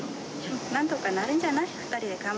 なんとかなるんじゃない？